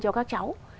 cho các cháu